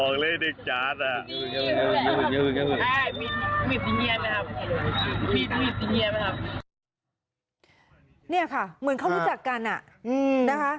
นี่ค่ะเหมือนเขารู้จักกันนะคะ